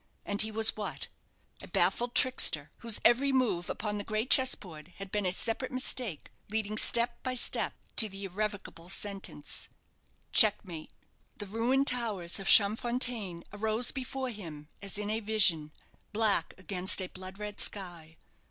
And he was what? A baffled trickster, whose every move upon the great chessboard had been a separate mistake, leading step by step to the irrevocable sentence checkmate! The ruined towers of Champfontaine arose before him, as in a vision, black against a blood red sky.